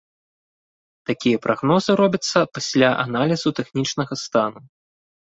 Такія прагнозы робяцца пасля аналізу тэхнічнага стану.